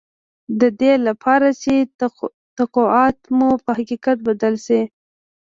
د دې لپاره چې توقعات مو په حقیقت بدل شي